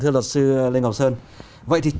thưa luật sư lê ngọc sơn vậy thì